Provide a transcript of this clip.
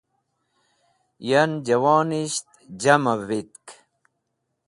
Yan jẽwonisht jama vitk.